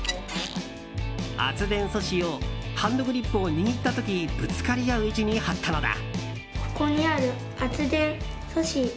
圧電素子をハンドグリップを握った時にぶつかり合う位置に貼ったのだ。